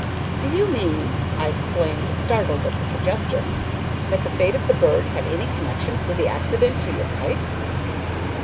"Do you mean," I exclaimed, startled at the suggestion, "that the fate of the bird had any connection with the accident to your kite?"